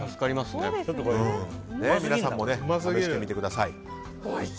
皆さんも試してみてください。